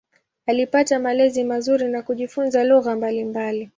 Alipata malezi mazuri na kujifunza lugha mbalimbali.